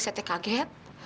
saya teh kaget